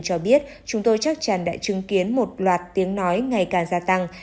cho biết chúng tôi chắc chắn đã chứng kiến một loạt tiếng nói ngày càng gia tăng